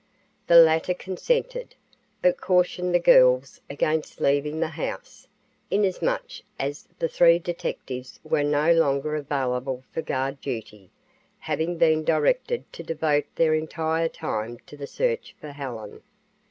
The latter consented, but cautioned the girls against leaving the house, inasmuch as the three detectives were no longer available for guard duty, having been directed to devote their entire time to the search for Helen.